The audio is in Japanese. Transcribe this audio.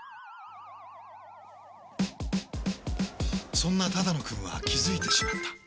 そんな只野くんは気付いてしまった。